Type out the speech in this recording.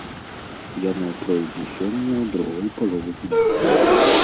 Яно пройдзе сёння ў другой палове дня.